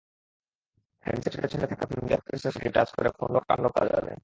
হ্যান্ডসেটের পেছনে থাকা ফিঙ্গারপ্রিন্ট সেন্সরটি টাচ করে ফোন লক-আনলক করা যাবে।